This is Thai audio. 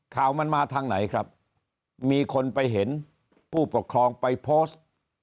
ข่าวมันมาทางไหนครับมีคนไปเห็นผู้ปกครองไปโพสต์